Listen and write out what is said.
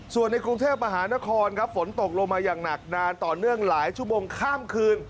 ส่วนในกรุงเทพมหานครครับฝนตกลงมาอย่างหนักนานต่อเนื่องหลายชั่วโมงข้ามคืน